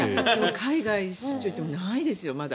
海外出張に行ってもないですよ、まだ。